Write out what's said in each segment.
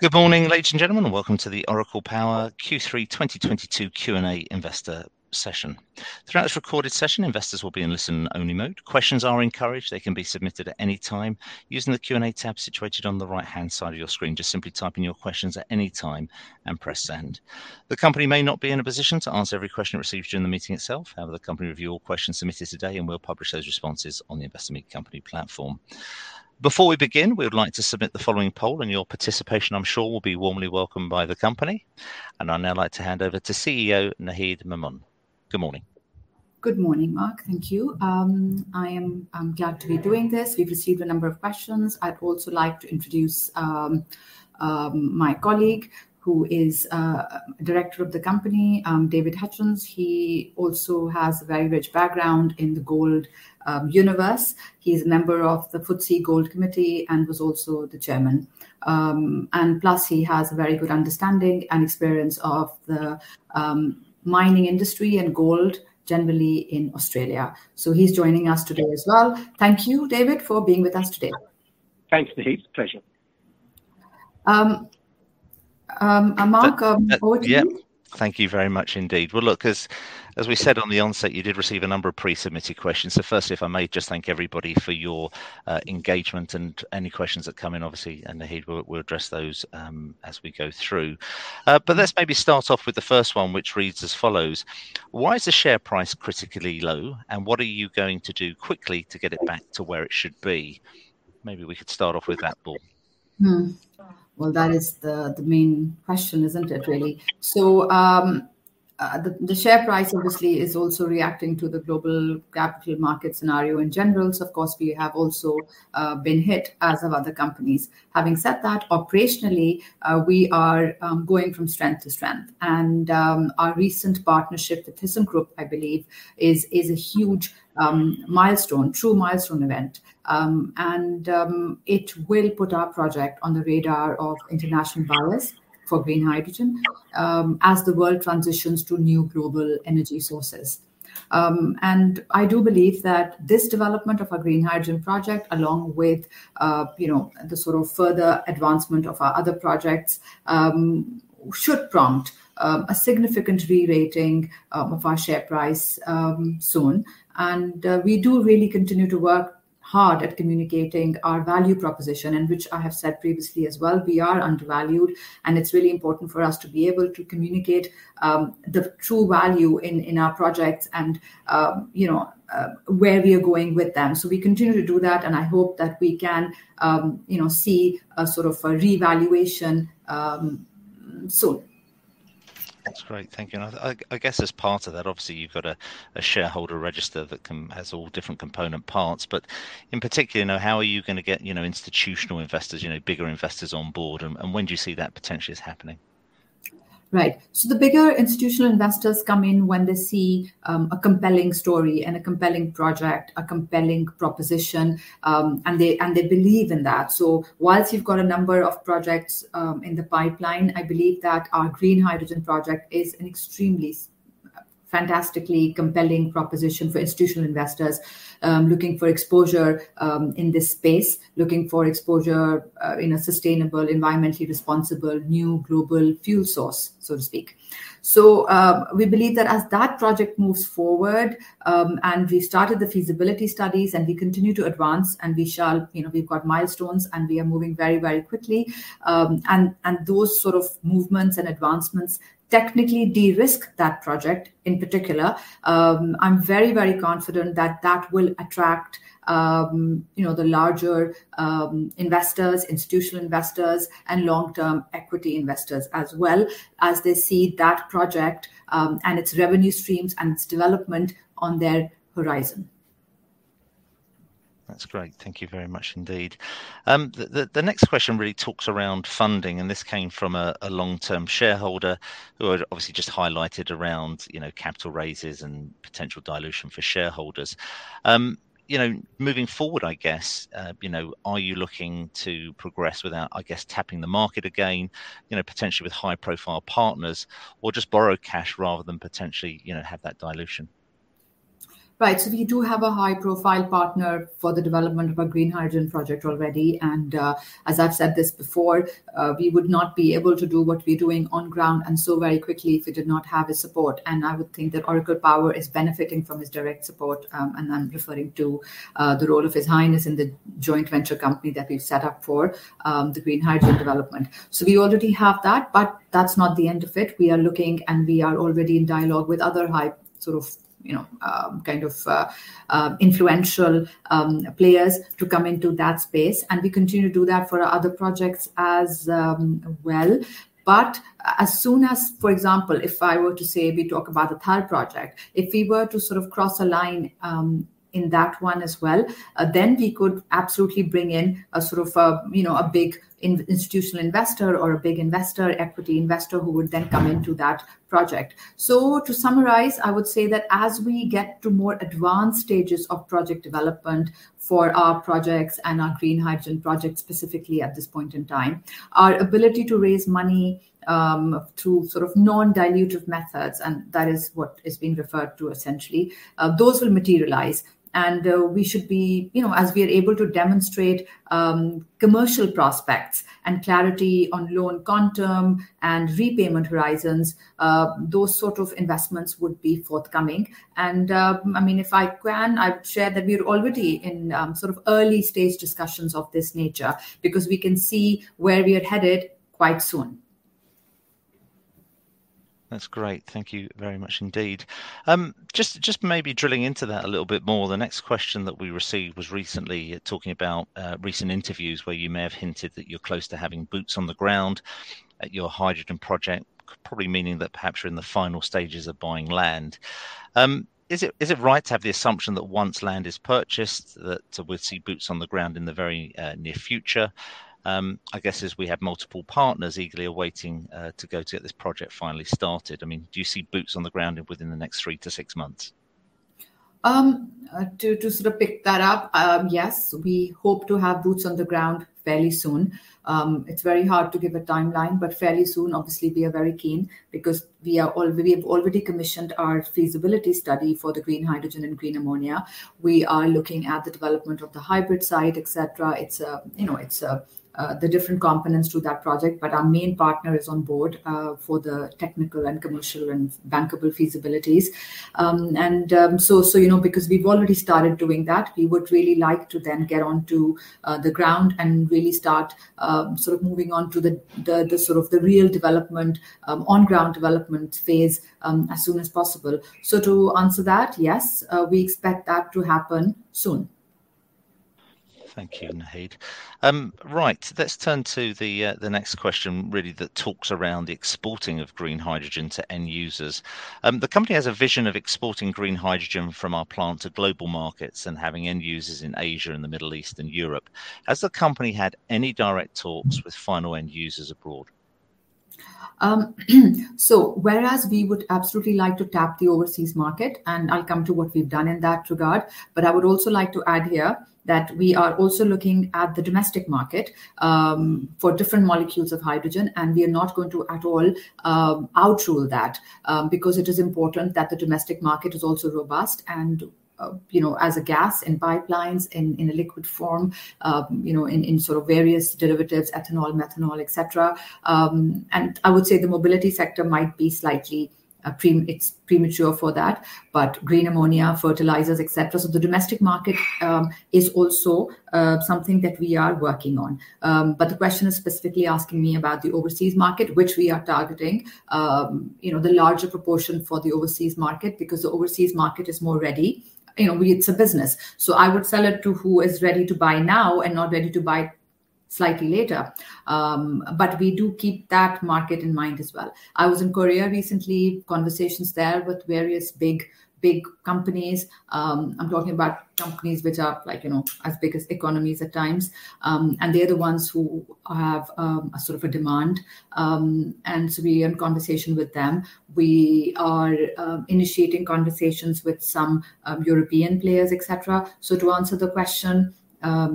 Good morning, ladies and gentlemen, and welcome to the Oracle Power Q3 2022 Q&A investor session. Throughout this recorded session, investors will be in listen-only mode. Questions are encouraged. They can be submitted at any time using the Q&A tab situated on the right-hand side of your screen. Just simply type in your questions at any time and press send. The company may not be in a position to answer every question received during the meeting itself. However, the company will review all questions submitted today, and we'll publish those responses on the Investor Meet Company platform. Before we begin, we would like to submit the following poll, and your participation, I'm sure, will be warmly welcomed by the company. I'd now like to hand over to CEO Naheed Memon. Good morning. Good morning, Mark. Thank you. I am glad to be doing this. We've received a number of questions. I'd also like to introduce my colleague, who is director of the company, David Hutchins. He also has a very rich background in the gold universe. He's a member of the FTSE Gold Committee and was also the chairman. Plus, he has a very good understanding and experience of the mining industry and gold generally in Australia. He's joining us today as well. Thank you, David for being with us today. Thanks, Naheed. Pleasure. Mark, over to you. Yeah. Thank you very much indeed. Well, look, as we said on the onset, you did receive a number of pre-submitted questions. Firstly, if I may just thank everybody for your engagement and any questions that come in, obviously. Naheed, we'll address those as we go through. Let's maybe start off with the first one, which reads as follows: Why is the share price critically low, and what are you going to do quickly to get it back to where it should be? Maybe we could start off with that ball. Well, that is the main question, isn't it really? The share price obviously is also reacting to the global capital market scenario in general. Of course, we have also been hit as have other companies. Having said that, operationally, we are going from strength to strength. Our recent partnership with Thyssenkrupp I believe, is a huge milestone, true milestone event. It will put our project on the radar of international buyers for green hydrogen as the world transitions to new global energy sources. I do believe that this development of our green hydrogen project along with you know, the sort of further advancement of our other projects, should prompt a significant re-rating of our share price soon. We do really continue to work hard at communicating our value proposition and which I have said previously as well, we are undervalued, and it's really important for us to be able to communicate the true value in our projects and you know where we are going with them. We continue to do that, and I hope that we can you know see a sort of a revaluation soon. That's great. Thank you. I guess as part of that, obviously you've got a shareholder register that has all different component parts. In particular, now, how are you gonna get, you know, institutional investors, you know, bigger investors on board and when do you see that potentially is happening? Right. The bigger institutional investors come in when they see a compelling story and a compelling project, a compelling proposition, and they believe in that. While you've got a number of projects in the pipeline, I believe that our green hydrogen project is an extremely fantastically compelling proposition for institutional investors looking for exposure in this space, looking for exposure in a sustainable, environmentally responsible new global fuel source, so to speak. We believe that as that project moves forward, and we started the feasibility studies, and we continue to advance and we shall you know we've got milestones, and we are moving very very quickly. Those sort of movements and advancements technically de-risk that project in particular. I'm very, very confident that that will attract, you know, the larger investors, institutional investors, and long-term equity investors as well as they see that project, and its revenue streams and its development on their horizon. That's great. Thank you very much indeed. The next question really talks around funding, and this came from a long-term shareholder who had obviously just highlighted around, you know, capital raises and potential dilution for shareholders. You know, moving forward, I guess, you know, are you looking to progress without, I guess, tapping the market again, you know, potentially with high-profile partners, or just borrow cash rather than potentially, you know, have that dilution? Right. We do have a high-profile partner for the development of our green hydrogen project already. As I've said this before, we would not be able to do what we're doing on ground and so very quickly if we did not have his support, and I would think that Oracle Power is benefiting from his direct support. I'm referring to the role of His Highness in the joint venture company that we've set up for the green hydrogen development. We already have that, but that's not the end of it. We are looking, and we are already in dialogue with other high sort of, you know, kind of influential players to come into that space, and we continue to do that for our other projects as well. As soon as, for example, if I were to say we talk about the third project, if we were to sort of cross a line, in that one as well, then we could absolutely bring in a sort of, you know, a big institutional investor or a big equity investor who would then come into that project. To summarize, I would say that as we get to more advanced stages of project development for our projects and our green hydrogen project specifically at this point in time, our ability to raise money, through sort of non-dilutive methods, and that is what is being referred to essentially, those will materialize. We should be, you know, as we are able to demonstrate, commercial prospects and clarity on loan quantum and repayment horizons, those sort of investments would be forthcoming. I mean if I can, I'd share that we're already in sort of early-stage discussions of this nature because we can see where we are headed quite soon. That's great. Thank you very much indeed. Just maybe drilling into that a little bit more, the next question that we received was recently talking about recent interviews where you may have hinted that you're close to having boots on the ground at your hydrogen project, probably meaning that perhaps you're in the final stages of buying land. Is it right to have the assumption that once land is purchased, that we'll see boots on the ground in the very near future? I guess as we have multiple partners eagerly awaiting to go to get this project finally started. I mean, do you see boots on the ground within the next three to six months? To sort of pick that up, yes, we hope to have boots on the ground fairly soon. It's very hard to give a timeline, but fairly soon, obviously, we are very keen. We have already commissioned our feasibility study for the green hydrogen and green ammonia. We are looking at the development of the hybrid site, et cetera. It's, you know, the different components to that project. Our main partner is on board for the technical and commercial and bankable feasibilities. You know, because we've already started doing that, we would really like to then get onto the ground and really start sort of moving on to the sort of the real development on-ground development phase as soon as possible. To answer that, yes, we expect that to happen soon. Thank you, Naheed. Right. Let's turn to the next question really that talks around the exporting of green hydrogen to end users. The company has a vision of exporting green hydrogen from our plant to global markets and having end users in Asia and the Middle East and Europe. Has the company had any direct talks with final end users abroad? Whereas we would absolutely like to tap the overseas market, and I'll come to what we've done in that regard, but I would also like to add here that we are also looking at the domestic market for different molecules of hydrogen, and we are not going to at all rule out that, because it is important that the domestic market is also robust and, you know, as a gas in pipelines, in a liquid form, you know, in sort of various derivatives, ethanol, methanol, et cetera. I would say the mobility sector might be premature for that, but green ammonia, fertilizers, et cetera. The domestic market is also something that we are working on. The question is specifically asking me about the overseas market, which we are targeting, you know, the larger proportion for the overseas market because the overseas market is more ready. You know, It's a business. I would sell it to who is ready to buy now and not ready to buy slightly later. We do keep that market in mind as well. I was in Korea recently, conversations there with various big companies. I'm talking about companies which are like, you know, as big as economies at times. They're the ones who have a sort of a demand. We are in conversation with them. We are initiating conversations with some European players, et cetera. To answer the question,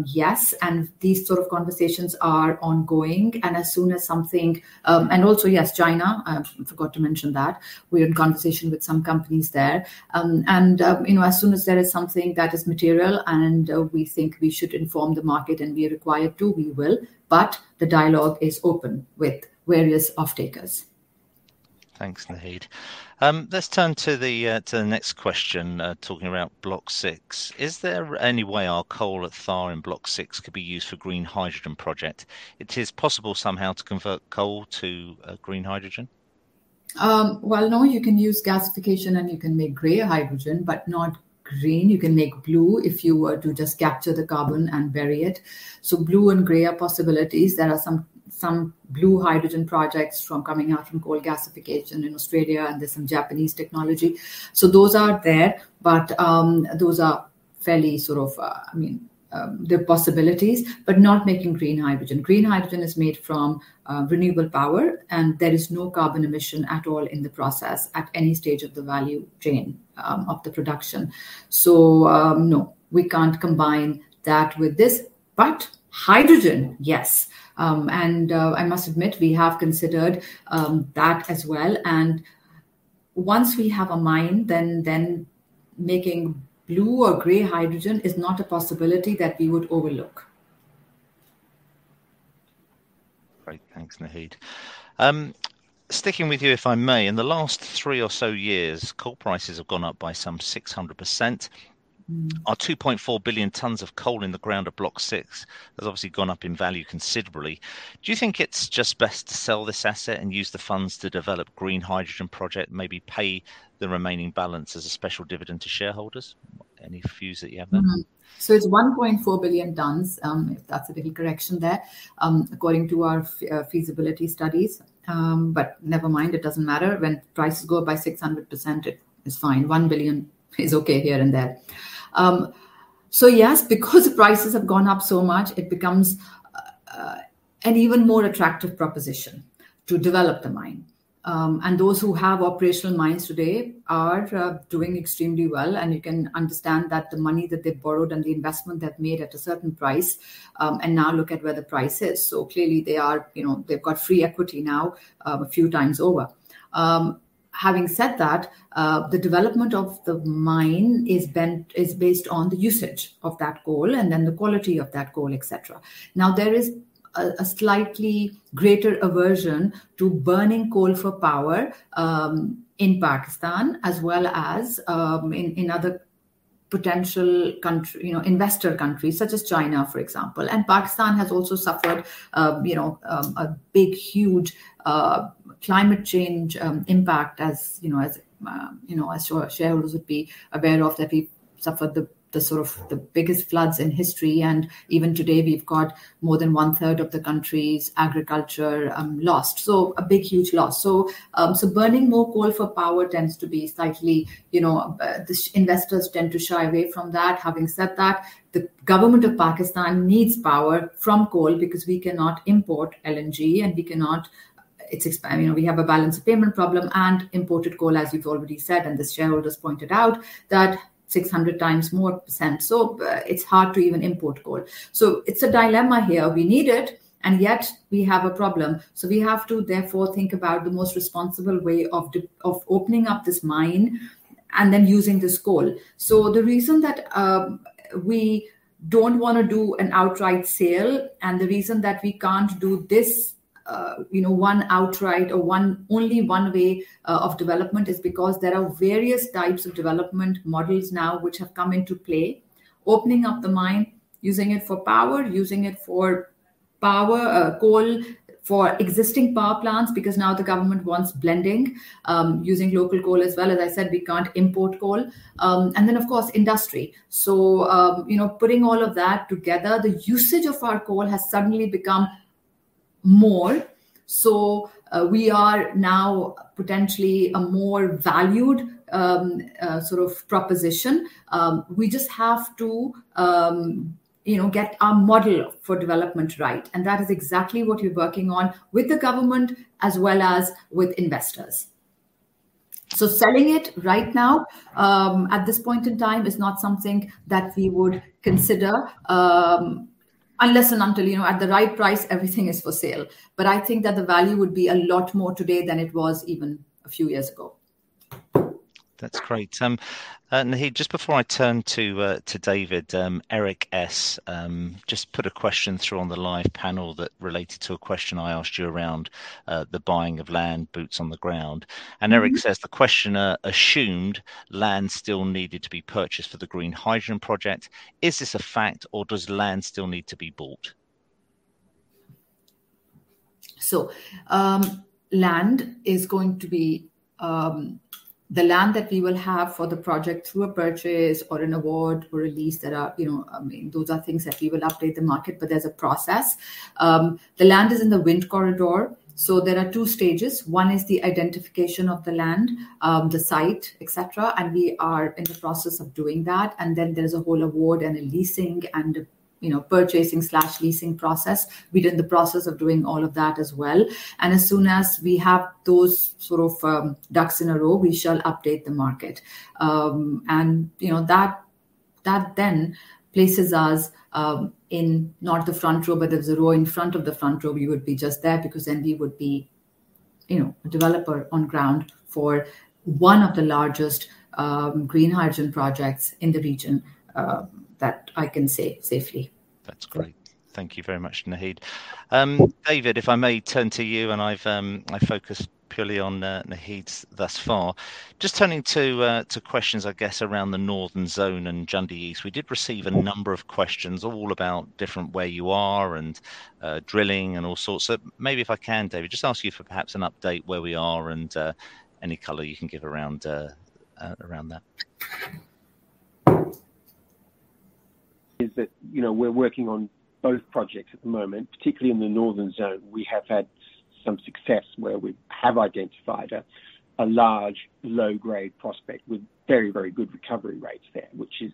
yes, and these sort of conversations are ongoing. Also yes, China, I forgot to mention that, we're in conversation with some companies there. You know, as soon as there is something that is material and we think we should inform the market, and we are required to, we will, but the dialogue is open with various off-takers. Thanks, Naheed. Let's turn to the next question, talking about Block Six. Is there any way our coal at Thar in Block Six could be used for green hydrogen project? It is possible somehow to convert coal to green hydrogen. Well, no, you can use gasification and you can make gray hydrogen, but not green. You can make blue if you were to just capture the carbon and bury it. Blue and gray are possibilities. There are some blue hydrogen projects coming out from coal gasification in Australia, and there's some Japanese technology. Those are there, but those are fairly sort of, I mean, they're possibilities, but not making green hydrogen. Green hydrogen is made from renewable power, and there is no carbon emission at all in the process at any stage of the value chain of the production. No, we can't combine that with this. Hydrogen, yes, and I must admit, we have considered that as well, and once we have a mine, then making blue or gray hydrogen is not a possibility that we would overlook. Great. Thanks, Naheed. Sticking with you, if I may. In the last three or so years, coal prices have gone up by some 600%. Mm. Our 2.4 billion tons of coal in the ground at Block Six has obviously gone up in value considerably. Do you think it's just best to sell this asset and use the funds to develop green hydrogen project, maybe pay the remaining balance as a special dividend to shareholders? Any views that you have there? It's 1.4 billion tons, if that's a little correction there, according to our feasibility studies. Never mind, it doesn't matter. When prices go up by 600%, it is fine. 1 billion is okay here and there. Yes, because prices have gone up so much, it becomes an even more attractive proposition to develop the mine. Those who have operational mines today are doing extremely well, and you can understand that the money that they borrowed and the investment they've made at a certain price, and now look at where the price is. Clearly they are, you know, they've got free equity now, a few times over. Having said that, the development of the mine is based on the usage of that coal and then the quality of that coal, et cetera. Now, there is a slightly greater aversion to burning coal for power in Pakistan as well as in other potential investor countries such as China, for example. Pakistan has also suffered a big, huge climate change impact as you know, as shareholders would be aware of, that we've suffered the sort of the biggest floods in history. Even today, we've got more than one-third of the country's agriculture lost. A big, huge loss. Burning more coal for power tends to be slightly, you know, the investors tend to shy away from that. Having said that, the government of Pakistan needs power from coal because we cannot import LNG and we cannot you know, we have a balance of payment problem and imported coal, as you've already said, and as shareholders pointed out, that's 600% more. It's hard to even import coal. It's a dilemma here. We need it, and yet we have a problem. We have to therefore think about the most responsible way of opening up this mine and then using this coal. The reason that we don't wanna do an outright sale, and the reason that we can't do this you know, one outright or only one way of development is because there are various types of development models now which have come into play. Opening up the mine, using it for power, coal for existing power plants because now the government wants blending, using local coal as well. As I said, we can't import coal. Of course, industry. You know, putting all of that together, the usage of our coal has suddenly become more. We are now potentially a more valued, sort of proposition. We just have to, you know, get our model for development right, and that is exactly what we're working on with the government as well as with investors. Selling it right now, at this point in time is not something that we would consider, unless and until, you know, at the right price, everything is for sale. I think that the value would be a lot more today than it was even a few years ago. That's great. Naheed, just before I turn to David, Eric S. just put a question through on the live panel that related to a question I asked you around the buying of land boots on the ground. Mm-hmm. Eric S says the questioner assumed land still needed to be purchased for the green hydrogen project. Is this a fact, or does land still need to be bought? Land is going to be the land that we will have for the project through a purchase or an award or a lease that are, you know, I mean, those are things that we will update the market, but there's a process. The land is in the wind corridor. There are two stages. One is the identification of the land, the site, et cetera, and we are in the process of doing that. Then there's a whole award and a leasing and, you know, purchasing/leasing process. We're in the process of doing all of that as well. As soon as we have those sort of ducks in a row, we shall update the market. You know, that then places us in not the front row, but there's a row in front of the front row. We would be just there because then we would be, you know, a developer on ground for one of the largest green hydrogen projects in the region that I can say safely. That's great. Thank you very much, Naheed. David, if I may turn to you, and I've focused purely on Naheed's thus far. Just turning to questions, I guess, around the Northern Zone and Jundee East. We did receive a number of questions all about different where you are and drilling and all sorts. Maybe if I can, David, just ask you for perhaps an update where we are and any color you can give around that. Is that, you know, we're working on both projects at the moment, particularly in the Northern Zone. We have had some success where we have identified a large low-grade prospect with very, very good recovery rates there, which is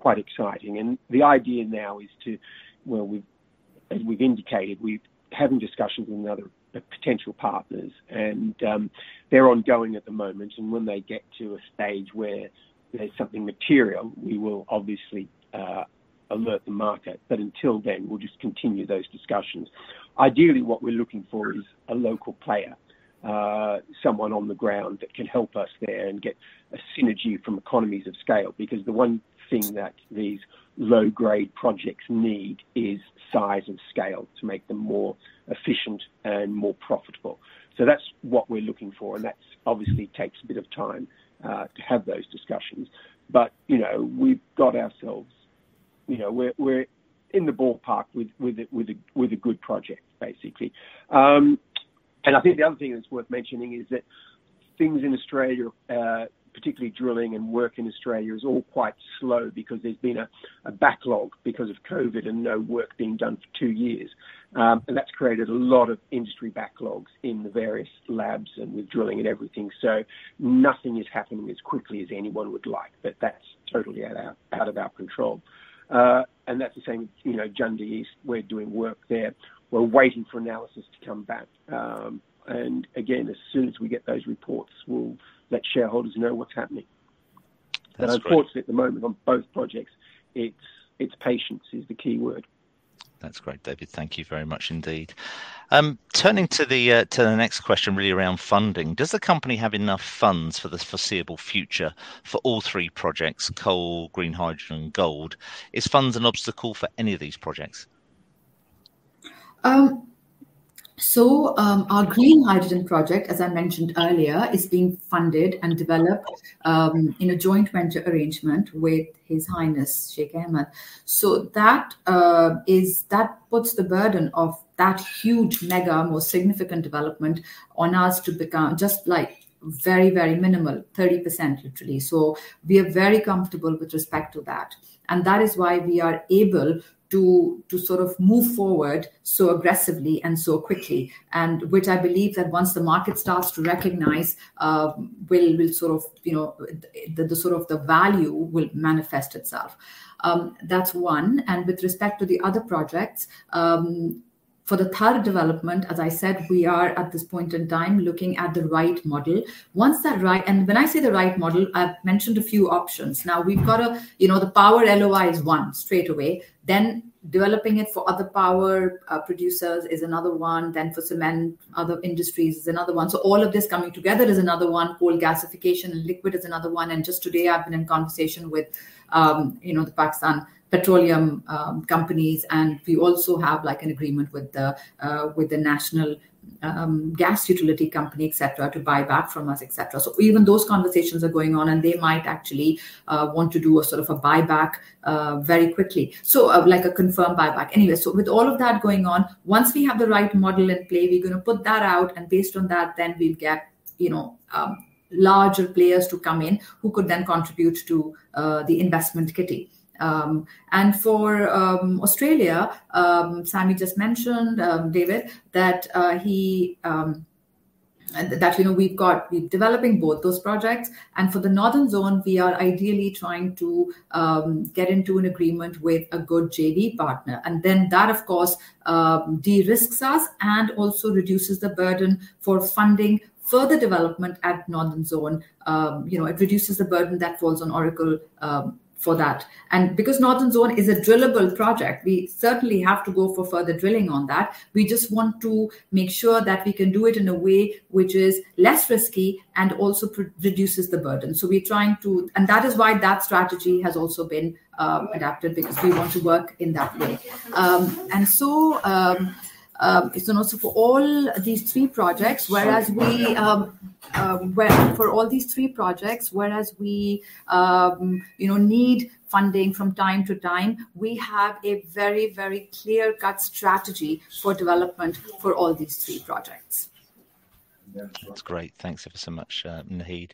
quite exciting. The idea now is. Well, as we've indicated, we're having discussions with other potential partners and they're ongoing at the moment. When they get to a stage where there's something material, we will obviously alert the market. Until then, we'll just continue those discussions. Ideally, what we're looking for is a local player, someone on the ground that can help us there and get a synergy from economies of scale. Because the one thing that these low-grade projects need is size and scale to make them more efficient and more profitable. That's what we're looking for, and that obviously takes a bit of time to have those discussions. You know, we've got ourselves. You know, we're in the ballpark with a good project, basically. I think the other thing that's worth mentioning is that things in Australia, particularly drilling and work in Australia is all quite slow because there's been a backlog because of COVID and no work being done for two years. That's created a lot of industry backlogs in the various labs and with drilling and everything. Nothing is happening as quickly as anyone would like, but that's totally out of our control. That's the same, you know, Jundee East. We're doing work there. We're waiting for analysis to come back. As soon as we get those reports, we'll let shareholders know what's happening. That's great. Unfortunately at the moment on both projects, it's patience is the key word. That's great, David. Thank you very much indeed. Turning to the next question really around funding. Does the company have enough funds for the foreseeable future for all three projects, coal, green hydrogen, gold? Is funds an obstacle for any of these projects? Our green hydrogen project, as I mentioned earlier, is being funded and developed in a joint venture arrangement with His Highness Sheikh Ahmed. That puts the burden of that huge mega, most significant development on us to become just like very minimal, 30% literally. We are very comfortable with respect to that, and that is why we are able to sort of move forward so aggressively and so quickly, and which I believe that once the market starts to recognize, we'll sort of you know the sort of the value will manifest itself. That's one. With respect to the other projects, for the Thar development, as I said, we are at this point in time looking at the right model. Once that right When I say the right model, I've mentioned a few options. Now, we've got you know the power LOI is one straight away, then developing it for other power producers is another one, then for cement other industries is another one. All of this coming together is another one. Coal gasification and liquefaction is another one. Just today I've been in conversation with you know the Pakistan petroleum companies, and we also have like an agreement with the national gas utility company, et cetera, to buy back from us, et cetera. Even those conversations are going on, and they might actually want to do a sort of a buyback very quickly. Like a confirmed buyback. With all of that going on, once we have the right model at play, we're gonna put that out, and based on that, then we'll get, you know, larger players to come in who could then contribute to the investment kitty. For Australia, Sammy just mentioned, David, that he and that, you know, we're developing both those projects, and for the Northern Zone we are ideally trying to get into an agreement with a good JV partner. That of course, de-risks us and also reduces the burden for funding further development at Northern Zone. You know, it reduces the burden that falls on Oracle for that. Because Northern Zone is a drillable project, we certainly have to go for further drilling on that. We just want to make sure that we can do it in a way which is less risky and also reduces the burden. That is why that strategy has also been adapted because we want to work in that way. Also for all these three projects, whereas we need funding from time to time, we have a very, very clear-cut strategy for development for all these three projects. That's great. Thanks ever so much, Naheed.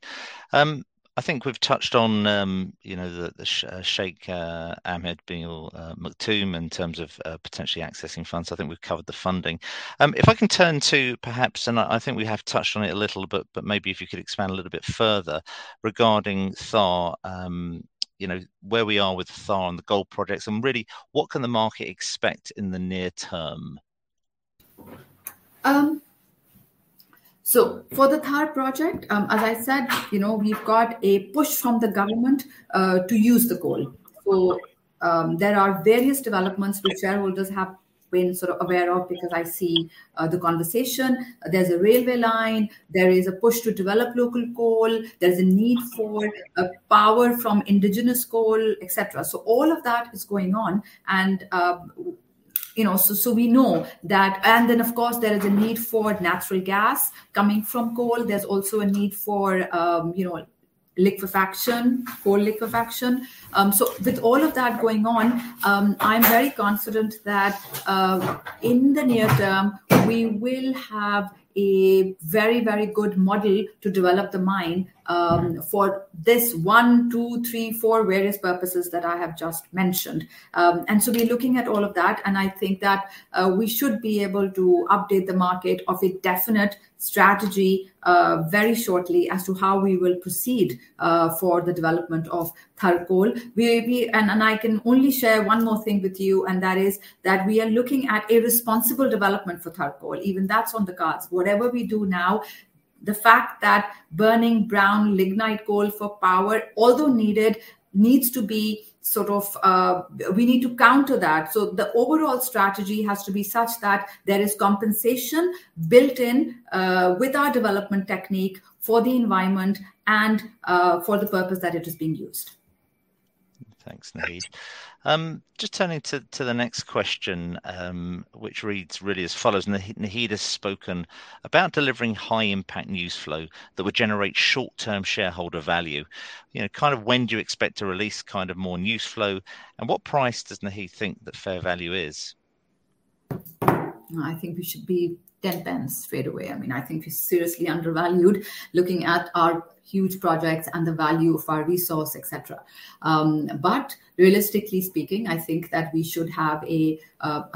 I think we've touched on, you know, the Sheikh Ahmed Dalmook Al Maktoum in terms of, potentially accessing funds. I think we've covered the funding. If I can turn to perhaps. I think we have touched on it a little bit, but maybe if you could expand a little bit further regarding Thar, you know, where we are with Thar and the gold projects, and really what can the market expect in the near term? For the Thar project, as I said, you know, we've got a push from the government to use the coal. There are various developments which shareholders have been sort of aware of because I see the conversation. There's a railway line. There is a push to develop local coal. There's a need for power from indigenous coal, et cetera. All of that is going on and, you know, we know that. Of course there is a need for natural gas coming from coal. There's also a need for, you know, liquefaction, coal liquefaction. With all of that going on, I'm very confident that, in the near term we will have a very, very good model to develop the mine, for this one, two, three, four, various purposes that I have just mentioned. We're looking at all of that, and I think that we should be able to update the market of a definite strategy very shortly as to how we will proceed for the development of Thar Coal. I can only share one more thing with you, and that is that we are looking at a responsible development for Thar Coal. Even that's on the cards. Whatever we do now, the fact that burning brown lignite coal for power, although needed, needs to be sort of, we need to counter that. The overall strategy has to be such that there is compensation built in, with our development technique for the environment and, for the purpose that it is being used. Thanks, Naheed. Just turning to the next question, which reads really as follows: "Naheed has spoken about delivering high impact news flow that would generate short-term shareholder value. You know, kind of when do you expect to release kind of more news flow, and what price does Naheed think that fair value is? I think we should be GBP 0.10 straight away. I mean, I think we're seriously undervalued looking at our huge projects and the value of our resource, et cetera. Realistically speaking, I think that we should have a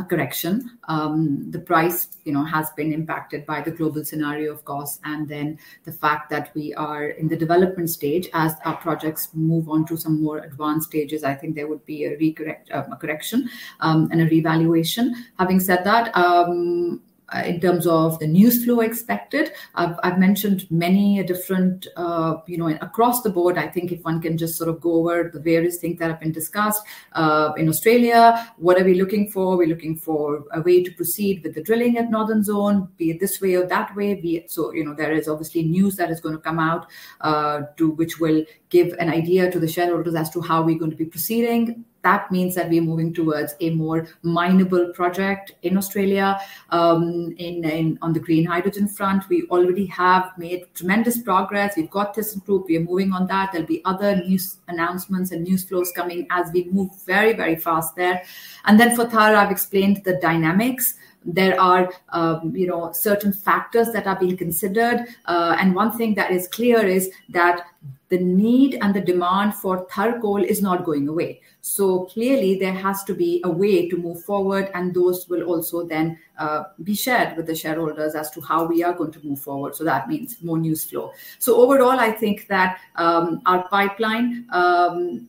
correction. The price, you know, has been impacted by the global scenario, of course, and then the fact that we are in the development stage. As our projects move on to some more advanced stages, I think there would be a correction and a revaluation. Having said that, in terms of the news flow expected, I've mentioned many different, you know, across the board, I think if one can just sort of go over the various things that have been discussed. In Australia, what are we looking for? We're looking for a way to proceed with the drilling at Northern Zone, be it this way or that way. You know, there is obviously news that is gonna come out to which will give an idea to the shareholders as to how we're going to be proceeding. That means that we're moving towards a more mineable project in Australia. On the green hydrogen front, we already have made tremendous progress. We've got this group. We are moving on that. There'll be other news announcements and news flows coming as we move very, very fast there. Then for Thar, I've explained the dynamics. There are, you know, certain factors that are being considered. One thing that is clear is that the need and the demand for Thar coal is not going away. Clearly there has to be a way to move forward, and those will also then be shared with the shareholders as to how we are going to move forward. That means more news flow. Overall, I think that our pipeline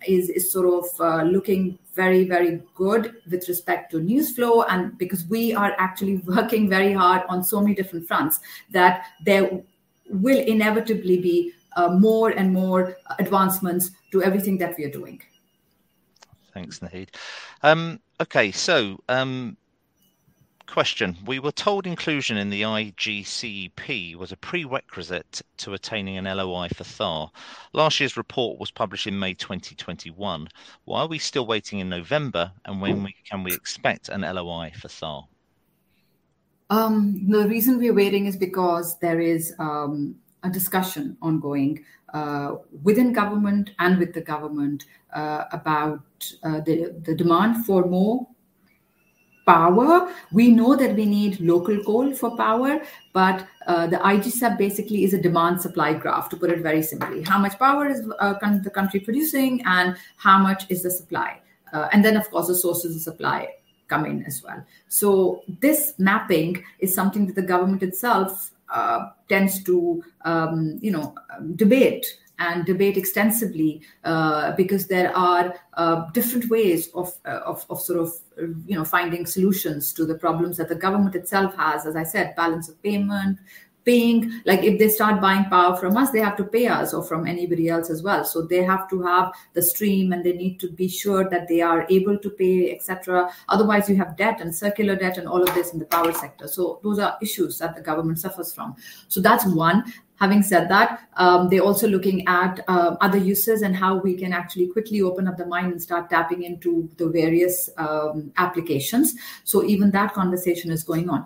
is sort of looking very, very good with respect to news flow and because we are actually working very hard on so many different fronts, that there will inevitably be more and more advancements to everything that we are doing. Thanks, Naheed. Okay. Question. We were told inclusion in the IGCEP was a prerequisite to attaining an LOI for Thar. Last year's report was published in May 2021. Why are we still waiting in November, and can we expect an LOI for Thar? The reason we're waiting is because there is a discussion ongoing within government and with the government about the demand for more power. We know that we need local coal for power, but the IGCEP basically is a demand supply graph, to put it very simply. How much power is the country producing, and how much is the supply? Then of course, the sources of supply come in as well. This mapping is something that the government itself tends to you know debate extensively because there are different ways of sort of you know finding solutions to the problems that the government itself has. As I said, balance of payments, paying. Like, if they start buying power from us, they have to pay us or from anybody else as well. They have to have the stream, and they need to be sure that they are able to pay, et cetera. Otherwise, you have debt and circular debt and all of this in the power sector. Those are issues that the government suffers from. That's one. Having said that, they're also looking at other uses and how we can actually quickly open up the mine and start tapping into the various applications. Even that conversation is going on.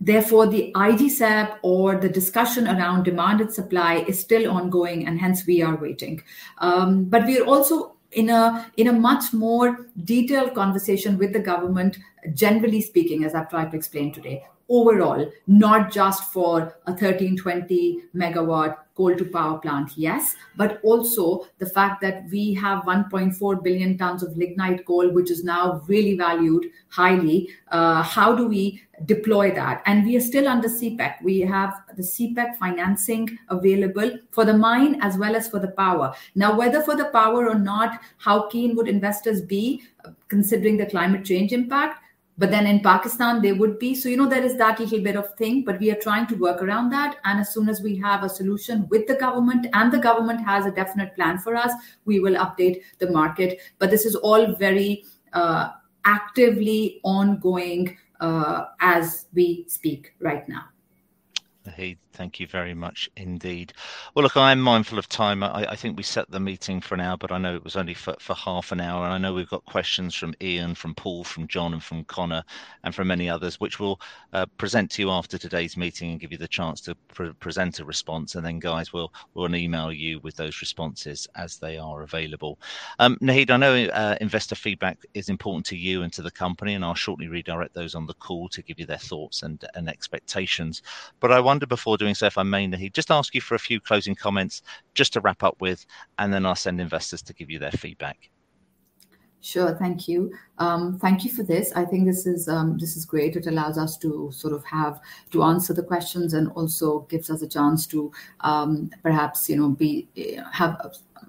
Therefore, the IGCEP or the discussion around demand and supply is still ongoing, and hence we are waiting. We are also in a much more detailed conversation with the government, generally speaking, as I've tried to explain today. Overall, not just for a 1,320 MW coal to power plant, yes, but also the fact that we have 1.4 billion tons of lignite coal, which is now really valued highly. How do we deploy that? We are still under CPEC. We have the CPEC financing available for the mine as well as for the power. Now, whether for the power or not, how keen would investors be considering the climate change impact? In Pakistan they would be. You know, there is that little bit of thing, but we are trying to work around that, and as soon as we have a solution with the government and the government has a definite plan for us, we will update the market. This is all very, actively ongoing, as we speak right now. Naheed, thank you very much indeed. Well, look, I am mindful of time. I think we set the meeting for an hour, but I know it was only for half an hour. I know we've got questions from Ian, from Paul, from John, and from Connor, and from many others, which we'll present to you after today's meeting and give you the chance to pre-present a response. Guys, we'll email you with those responses as they are available. Naheed, I know investor feedback is important to you and to the company, and I'll shortly redirect those on the call to give you their thoughts and expectations. I wonder, before doing so, if I may, Naheed, just ask you for a few closing comments just to wrap up with, and then I'll send investors to give you their feedback. Sure. Thank you. Thank you for this. I think this is, this is great. It allows us to sort of have to answer the questions and also gives us a chance to, perhaps, you know,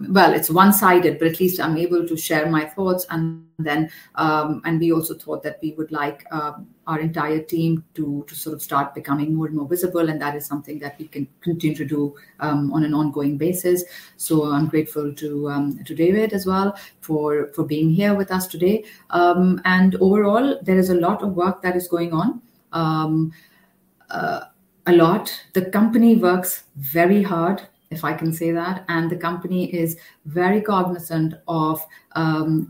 Well, it's one-sided, but at least I'm able to share my thoughts and then, and we also thought that we would like, our entire team to sort of start becoming more and more visible, and that is something that we can continue to do, on an ongoing basis. I'm grateful to David as well, for being here with us today. Overall, there is a lot of work that is going on. A lot. The company works very hard, if I can say that, and the company is very cognizant of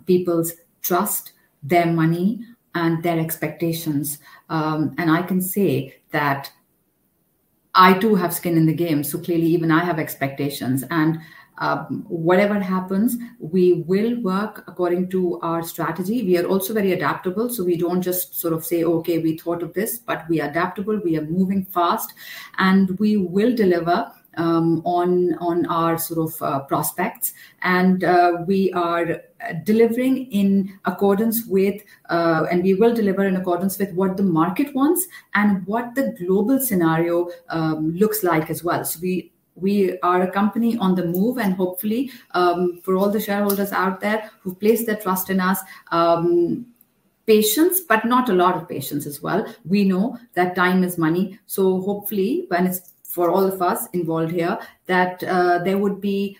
people's trust, their money, and their expectations. I can say that I too have skin in the game, so clearly even I have expectations. Whatever happens, we will work according to our strategy. We are also very adaptable, so we don't just sort of say, "Okay, we thought of this," but we are adaptable, we are moving fast, and we will deliver on our sort of prospects. We are delivering in accordance with and we will deliver in accordance with what the market wants and what the global scenario looks like as well. We are a company on the move, and hopefully, for all the shareholders out there who place their trust in us, patience, but not a lot of patience as well. We know that time is money, so hopefully when it's for all of us involved here, that there would be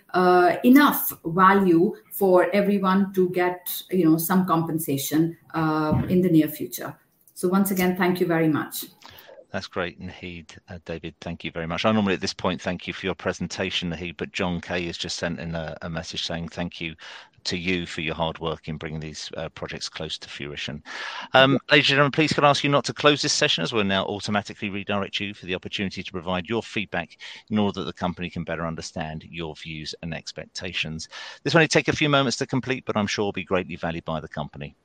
enough value for everyone to get, you know, some compensation in the near future. Once again, thank you very much. That's great, Naheed. David, thank you very much. I normally at this point thank you for your presentation, Naheed, but John K. has just sent in a message saying thank you to you for your hard work in bringing these projects close to fruition. Ladies and gentlemen, please can I ask you not to close this session as we'll now automatically redirect you for the opportunity to provide your feedback in order that the company can better understand your views and expectations. This will only take a few moments to complete, but I'm sure will be greatly valued by the company.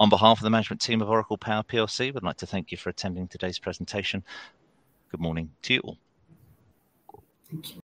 On behalf of the management team of Oracle Power PLC, we'd like to thank you for attending today's presentation. Good morning to you all. Thank you.